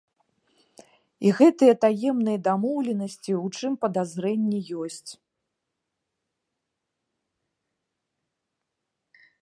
І гэтыя таемныя дамоўленасці, у чым падазрэнні ёсць.